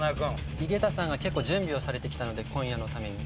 井桁さんが結構準備をされてきたので今夜のために。